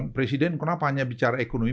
presiden kenapa hanya bicara ekonomi